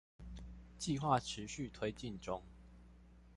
計畫持續推進中